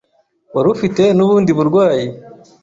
wari ufite n'ubundi burwayi